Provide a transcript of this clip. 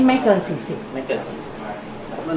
สวัสดีครับ